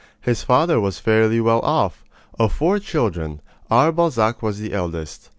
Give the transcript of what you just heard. His father was fairly well off. Of four children, our Balzac was the eldest.